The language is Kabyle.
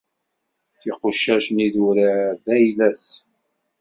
Tiqucac n yidurar, d ayla-s.